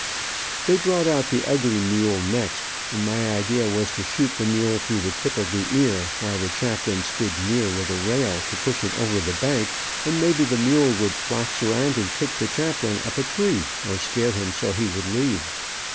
They brought out the ugly mule next, and my idea was to shoot the mule through the tip of the ear, while the chaplain stood near with a rail to push it over the bank, and maybe the mule would flax around and kick the chaplain up a tree, or scare him so he would leave.